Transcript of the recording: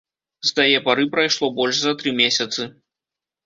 З тае пары прайшло больш за тры месяцы.